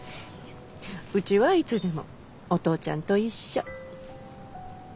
うちはいつでもお父ちゃんと一緒。